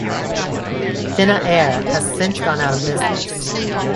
Fina Air has since gone out of business.